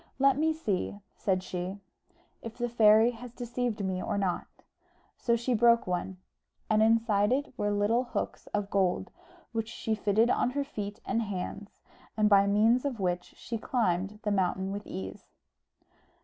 "Let me see," said she, "if the fairy has deceived me or not." So she broke one, and inside it were little hooks of gold, which she fitted on her feet and hands, and by means of which she climbed the mountain with ease.